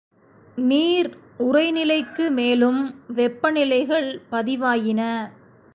நீர் உறைநிலைக்கு மேலும் வெப்ப நிலைகள் பதிவாயின.